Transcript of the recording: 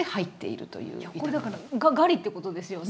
これだからガリってことですよね？